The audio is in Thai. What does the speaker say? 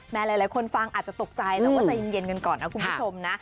หลายคนฟังอาจจะตกใจแต่ว่าใจเย็นกันก่อนนะคุณผู้ชมนะ